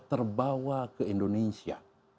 terbawa ke indonesia